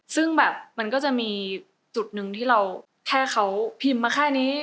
ซึ่งแบบมันก็จะมีจุดหนึ่งที่เราแค่เขาพิมพ์มาแค่นี้